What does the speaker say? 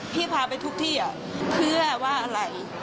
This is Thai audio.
พาไปทุกที่เพื่อว่าอะไร